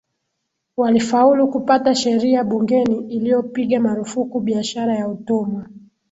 walifaulu kupata sheria bungeni iliyopiga marufuku biashara ya utumwa